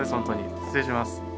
失礼します。